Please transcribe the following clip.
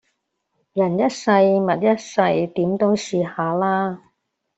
人一世物一世，點都試下啦